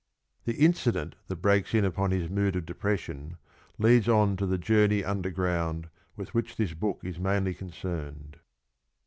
The incident that breaks in upon his mood of TJ/ifm,*^!*)®' depression leads on to the journey underground with which this book is mainly concerned.